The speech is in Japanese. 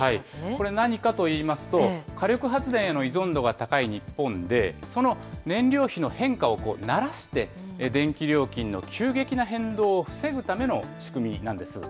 これ、何かといいますと、火力発電への依存度が高い日本で、その燃料費の変化をならして、電気料金の急激な変動を防ぐための仕組みなんです。